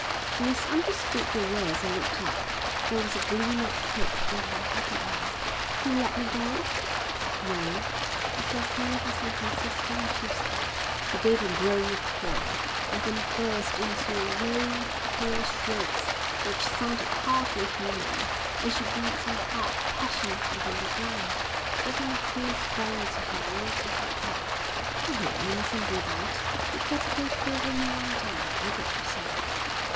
She misunderstood the words and looked up. There was a gleam of hope in her heavy eyes. "You'll let me go?" "No. You shall sail for San Francisco on Tuesday." She gave a groan of horror and then burst into low, hoarse shrieks which sounded hardly human, and she beat her head passionately on the ground. Dr Macphail sprang to her and lifted her up. "Come on, you mustn't do that. You'd better go to your room and lie down. I'll get you something."